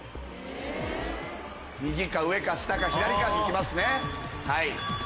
右か上か下か左に行きます。